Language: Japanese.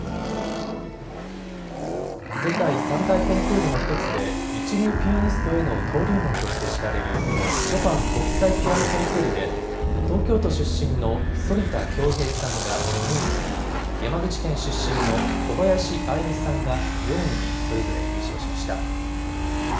世界３大コンクールの１つで一流ピアニストへの登竜門として知られるショパン国際ピアノコンクールで東京都出身の反田恭平さんが２位に、山口県出身の小林愛実さんが４位にそれぞれ入賞しました。